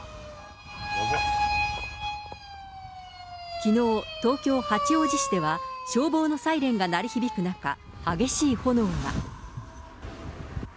きのう、東京・八王子市では消防のサイレンが鳴り響く中、激しい炎が。